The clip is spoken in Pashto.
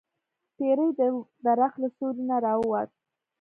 پیری د درخت له سوری نه راووت.